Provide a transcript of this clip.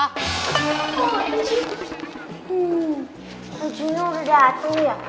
hmm ujiannya udah dateng ya